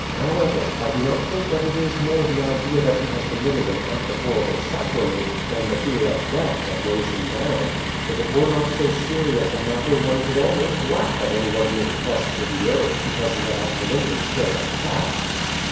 However, I do not think that it is more the idea that he has committed an act of horrible sacrilege than the fear of death that weighs him down. If it were not so serious a matter one could almost laugh at any one being crushed to the earth because he had accidentally killed a cat."